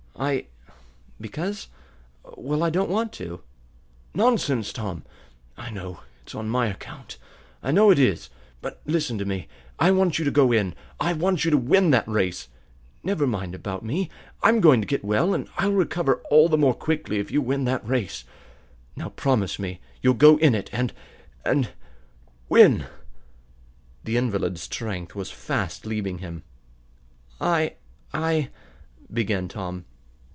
"I because well, I don't want to." "Nonsense, Tom! I know; it's on my account. I know it is. But listen to me. I want you to go in! I want you to win that race! Never mind about me. I'm going to get well, and I'll recover all the more quickly if you win that race. Now promise me you'll go in it and and win!" The invalid's strength was fast leaving him. "I I ," began Tom.